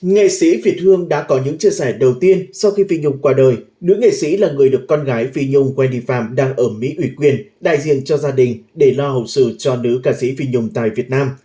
nghệ sĩ việt hương đã có những chia sẻ đầu tiên sau khi phi nhung qua đời nữ nghệ sĩ là người được con gái phi nhung waly farm đang ở mỹ ủy quyền đại diện cho gia đình để lo hậu sự cho nữ ca sĩ phi nhung tại việt nam